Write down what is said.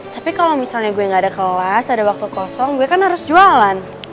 tapi kalau misalnya gue gak ada kelas ada waktu kosong gue kan harus jualan